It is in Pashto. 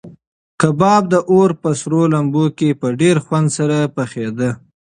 کباب د اور په سرو لمبو کې په ډېر خوند سره پخېده.